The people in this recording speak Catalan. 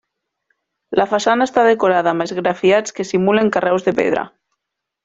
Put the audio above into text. La façana està decorada amb esgrafiats que simulen carreus de pedra.